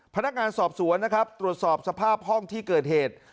พนักงานสอบสวนนะครับตรวจสอบสภาพห้องที่เกิดเหตุ